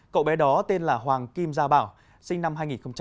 cậu bé đó tên là hoàng kim gia bảo sinh năm hai nghìn tám